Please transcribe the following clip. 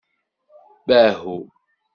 Bahu